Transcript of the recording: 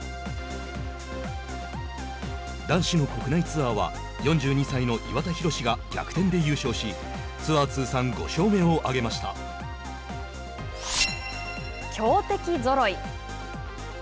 男子の国内ツアーは４２歳の岩田寛が逆転で優勝し強敵ぞろい。